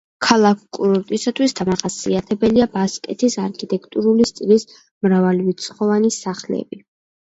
ქალაქ-კურორტისათვის დამახასიათებელია ბასკეთის არქიტექტურული სტილის მრავალრიცხოვანი სახლები.